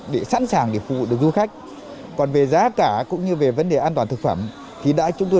vé sẵn sàng để phụ được du khách còn về giá cả cũng như về vấn đề an toàn thực phẩm thì đã chúng tôi